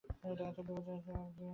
এটা এত বিপজ্জনক?